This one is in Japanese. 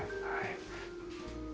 はい。